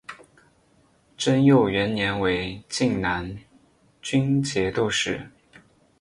贞佑元年为静难军节度使。